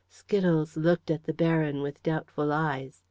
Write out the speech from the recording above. Skittles looked at the Baron with doubtful eyes.